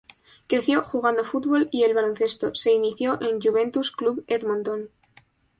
Creció jugando fútbol y el baloncesto, se inició en Juventus Club Edmonton.